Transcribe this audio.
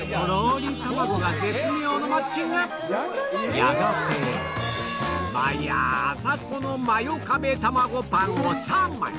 やがて毎朝このマヨ壁卵パンを３枚！